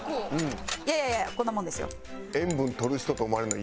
いやいやこんなもんですよ。